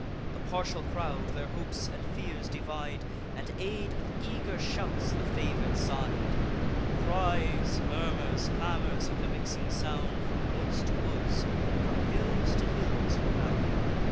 The partial crowd their hopes and fears divide, And aid with eager shouts the favour'd side. Cries, murmurs, clamours, with a mixing sound, From woods to woods, from hills to hills rebound.